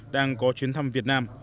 đang có chuyến thăm việt nam